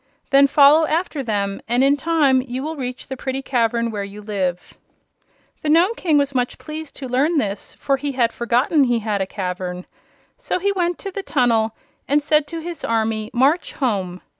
Then follow after them and in time you will reach the pretty cavern where you live." The Nome King was much pleased to learn this, for he had forgotten he had a cavern. So he went to the tunnel and said to his army: 'March home!'